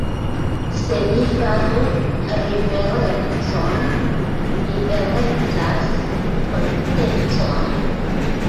Se mi faru riverencon, mi elektas potencon.